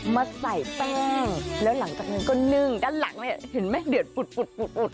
มาใส่แป้งแล้วหลังจากนี้ก็นึงด้านหลังเนี่ยเห็นไหมเดือดปุดปุดปุดปุดปุด